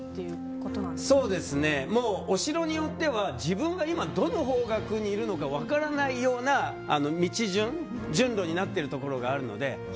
お城によっては今、自分がどこにいるか分からないような道順、順路になっているところがあるので。